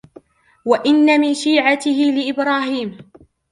وإن من شيعته لإبراهيم